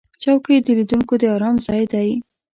چوکۍ د لیدونکو د آرام ځای دی.